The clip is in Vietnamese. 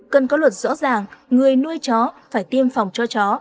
cần có luật rõ ràng người nuôi chó phải tiêm phòng cho chó